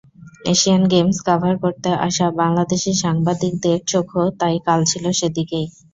Asian games cover করতে আসা বাংলাদেশি সাংবাদিকদের চোখও তাই কাল ছিল সেদিকেই।